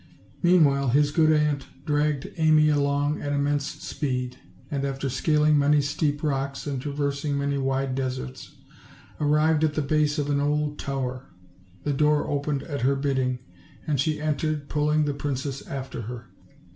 Mean while, his good aunt dragged Amy along at immense speed; and, after scaling many steep rocks and travers ing many wide deserts, arrived at the base of an old tower; the door opened at her bidding, and she entered, pulling the princess after her.